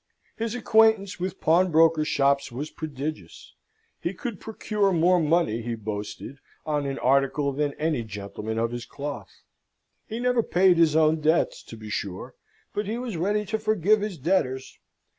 His acquaintance with pawnbrokers' shops was prodigious. He could procure more money, he boasted, on an article than any gentleman of his cloth. He never paid his own debts, to be sure, but he was ready to forgive his debtors.